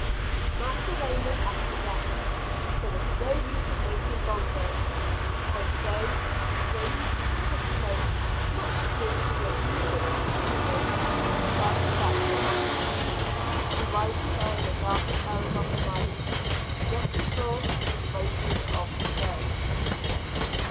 Master Raymond acquiesced. There was no use in waiting longer. And so he re donned his petticoat much to the amusement of the seamen and started back to Master Putnam's arriving there in the darkest hours of the night, just before the breaking of the day.